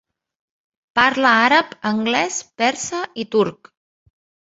Parla àrab, anglès, persa i turc.